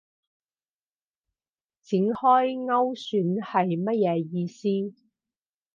展開勾選係乜嘢意思